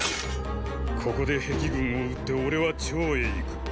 ここで壁軍を討って俺は趙へ行く。